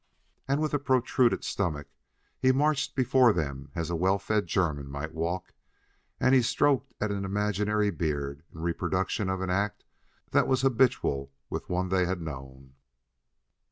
And with a protruded stomach he marched before them as a well fed German might walk, and he stroked at an imaginary beard in reproduction of an act that was habitual with one they had known.